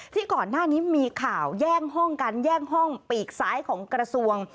ที่ก่อนหน้านี้มีข่าวแย่งห้องกันแย่งห้องปีกซ้ายของกระทรวง